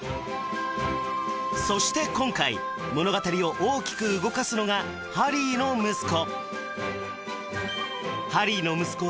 そして今回物語を大きく動かすのがハリーの息子ハリーの息子